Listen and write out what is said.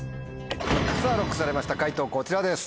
さぁＬＯＣＫされました解答こちらです。